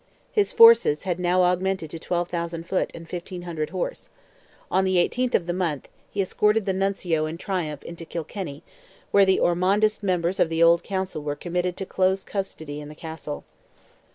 His forces had now augmented to 12,000 foot, and 1,500 horse; on the 18th of the month, he escorted the Nuncio in triumph into Kilkenny, where the Ormondist members of the old council were committed to close custody in the castle.